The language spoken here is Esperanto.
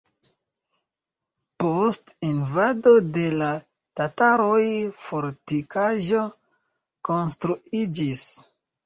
Post invado de la tataroj fortikaĵo konstruiĝis.